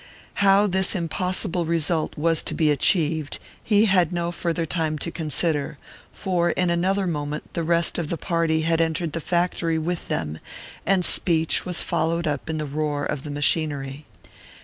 How this impossible result was to be achieved he had no farther time to consider, for in another moment the rest of the party had entered the factory with them, and speech was followed up in the roar of the machinery.